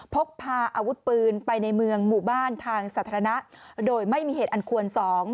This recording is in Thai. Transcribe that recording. พกพาอาวุธปืนไปในเมืองหมู่บ้านทางสาธารณะโดยไม่มีเหตุอันควร๒